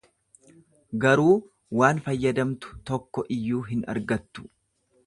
Garuu waan fayyadamtu tokko iyyuu hin argattu.